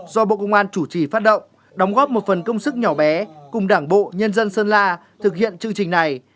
do bộ công an chủ trì phát động đóng góp một phần công sức nhỏ bé cùng đảng bộ nhân dân sơn la thực hiện chương trình này